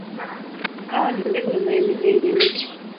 Hawa ni ndege wa maeneo yenye miti.